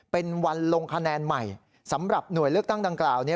เป็นวันลงคะแนนใหม่สำหรับหน่วยเลือกตั้งดังกล่าวนี้